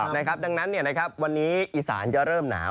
ดังนั้นวันนี้อีสานจะเริ่มหนาว